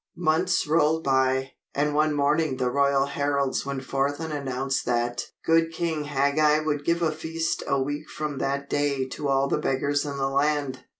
Months rolled by, and one morning the royal heralds went forth and announced that "Good King Hagag" would give a feast a week from that day to all the beggars in the land.